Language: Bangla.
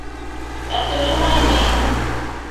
অত সময় নেই।